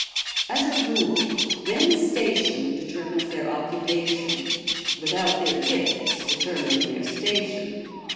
As a rule, men's station determines their occupation without their gifts determining their station.